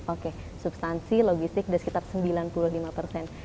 oke substansi logistik sudah sekitar sembilan puluh lima persen